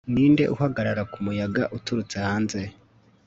Ninde uhagarara kumuyaga uturutse hanze